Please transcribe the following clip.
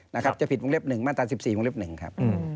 นะครับจะผิดภูมิเลพหนึ่งมาตรา๑๔ภูมิเลพหนึ่งครับ